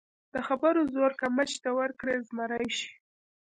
د خبرو زور که مچ ته ورکړې، زمری شي.